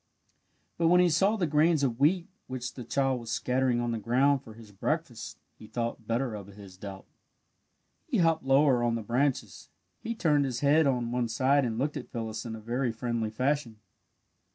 But when he saw the grains of wheat which the child was scattering on the ground for his breakfast, he thought better of his doubt. He hopped lower on the branches. He turned his little head on one side and looked at Phyllis in a very friendly fashion.